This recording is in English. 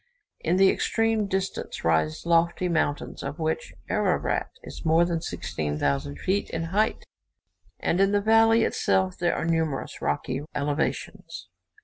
In the extreme distance rise lofty mountains, of which Ararat is more than 16,000 feet in height, and in the valley itself there are numerous rocky elevations.